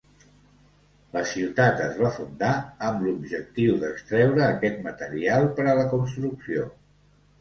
La ciutat es va fundar amb l'objectiu d'extreure aquest material per a la construcció.